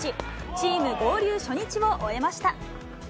チーム合流初日を終えました。